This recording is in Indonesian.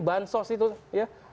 bansos itu ya